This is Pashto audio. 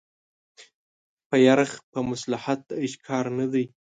په يرغ په مصلحت د عشق کار نه دی